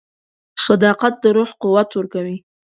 • صداقت د روح قوت ورکوي.